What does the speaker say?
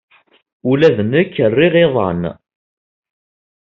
Ula d nekk riɣ iḍan.